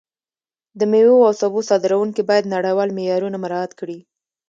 د میوو او سبو صادروونکي باید نړیوال معیارونه مراعت کړي.